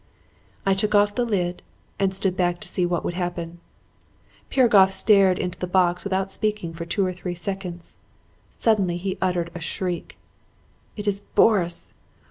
"I took off the lid and stood back to see what would happen. "Piragoff stared into the box without speaking for two or three seconds. Suddenly he uttered a shriek. 'It is Boris!